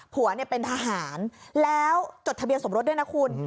ผัวเป็นทหารแล้วจดทะเบียนสมรสด้วยนะคุณ